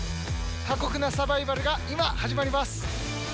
過酷なサバイバルが今始まります。